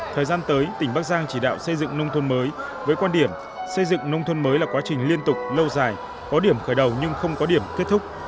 thời gian tới tỉnh bắc giang chỉ đạo xây dựng nông thôn mới với quan điểm xây dựng nông thôn mới là quá trình liên tục lâu dài có điểm khởi đầu nhưng không có điểm kết thúc